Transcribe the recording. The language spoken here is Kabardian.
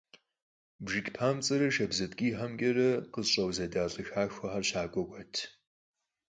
БжыкӀ папцӀэрэ шабзэ ткӀийхэмкӀэ къызэщӀэузэда лӀы хахуэхэр щакӀуэ кӀуэрт.